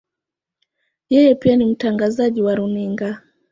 Yeye pia ni mtangazaji wa runinga.